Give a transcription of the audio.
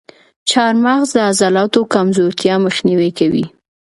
چارمغز د عضلاتو کمزورتیا مخنیوی کوي.